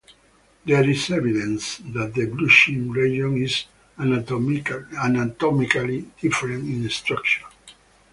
There is evidence that the blushing region is anatomically different in structure.